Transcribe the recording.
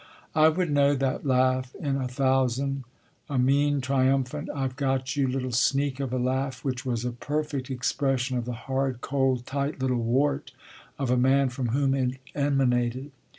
I would know that laugh in a thousand a mean, tri umphant, I ve got you, little sneak of a laugh which was a perfect expression of the hard, cold, tight, little wart of a man from whom it emanated.